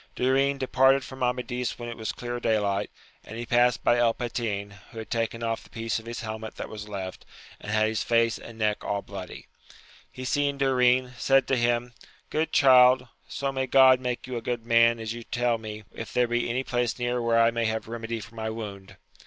Durin departed from Amadis when it was clear day light, and he passed by El Patin, who had taken oiF the piece of his helmet that was left, and had his face and neck all bloody. He seeing Durin, said to him, Good child, so may God make you a good man as you tell me if there be any place near where I may have remedy for my wound.